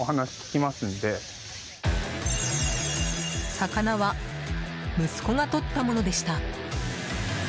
魚は息子がとったものでした。